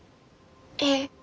ええ！